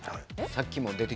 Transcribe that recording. さっき出て。